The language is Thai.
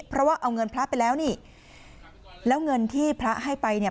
เพราะว่าเอาเงินพระไปแล้วนี่แล้วเงินที่พระให้ไปเนี่ย